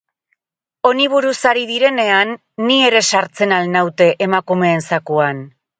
Honi buruz ari direnean, ni ere sartzen al naute emakumeen zakuan?